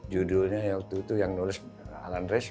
judulnya waktu itu yang nulis alan rees